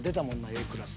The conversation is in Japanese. Ａクラス。